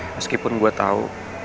meskipun gue tahu